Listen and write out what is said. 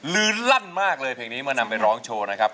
ลื่นลั่นมากเลยเพลงนี้เมื่อนำไปร้องโชว์นะครับ